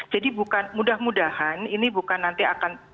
karena itu bukan nanti akan